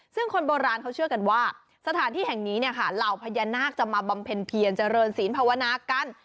ซึ่งคนโบราณเขาเชื่อกันว่าสถานที่แห่งนี้เนี่ยค่ะเหล่าพญานาคจะมาบำเพ็ญเพียรเจริญศีลภาวนากัน